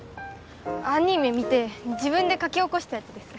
アニメ見て自分で書き起こしたやつです